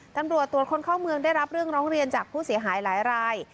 ตำรวจตรวจคนเข้าเมืองได้รับเรื่องร้องเรียนจากผู้เสียหายหลายราย